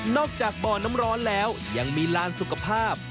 จากบ่อน้ำร้อนแล้วยังมีลานสุขภาพ